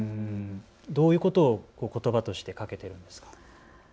どういうことを、ことばとしてかけているんですか。